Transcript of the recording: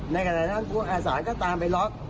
แต่ก็เคยให้อีกทั้งแหลก